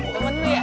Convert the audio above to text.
temen lo ya